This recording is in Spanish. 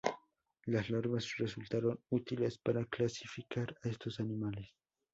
Las larvas resultaron útiles para clasificar a estos animales.